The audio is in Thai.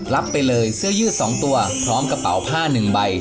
รับไปเลยเสื้อยืด๒ตัวพร้อมกระเป๋าผ้า๑ใบ